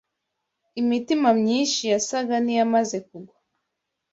Imitima myinshi yasaga n’iyamaze kugwa